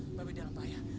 mbak bi dalam bahaya